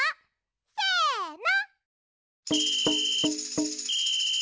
せの！